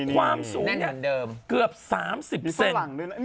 ความสูงเนี่ยเกือบ๓๐เซนมีฝรั่งด้วยนะ